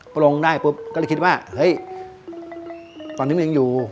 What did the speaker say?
ปลงได้ปุ๊บก็เลยคิดว่าเฮ้ยตอนนี้มันยังอยู่